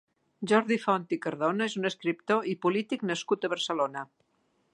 Jordi Font i Cardona és un escriptor i polític nascut a Barcelona.